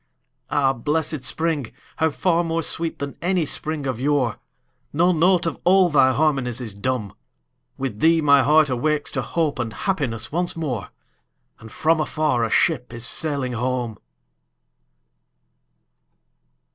Ah, blessed spring!—how far more sweet than any spring of yore! No note of all thy harmonies is dumb; With thee my heart awakes to hope and happiness once more, And from afar a ship is sailing home!